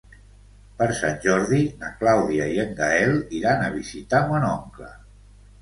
Per Sant Jordi na Clàudia i en Gaël iran a visitar mon oncle.